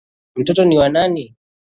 Mtoto ni wa nani?